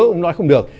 ông ấy nói không được